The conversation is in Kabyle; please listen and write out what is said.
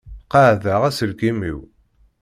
Qaεdeɣ aselkim-iw.